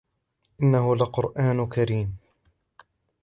إنه لقرآن كريم